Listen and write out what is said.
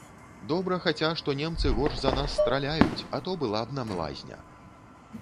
Добра хаця, што немцы горш за нас страляюць, а то была б нам лазня.